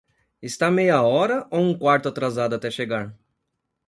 Está meia hora ou um quarto atrasado até chegar?